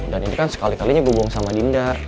dan ini kan sekali kalinya gua bohong sama dinda